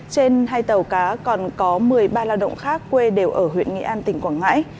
trên hai tàu cá còn có một mươi ba lao động khác quê đều ở huyện nghĩa an tỉnh quảng ngãi